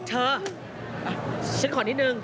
เธอฉันขอนิดหนึ่ง